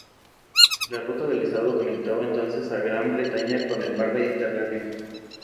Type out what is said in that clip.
La ruta del estaño conectaba entonces la Gran Bretaña con el mar Mediterráneo.